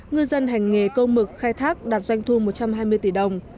ngư dân hành nghề câu mực khai thác đạt doanh thu một trăm hai mươi tỷ đồng